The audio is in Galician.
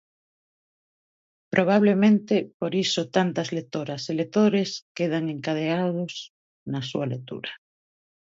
Probablemente, por iso tantas lectoras e lectores quedan encadeados na súa lectura.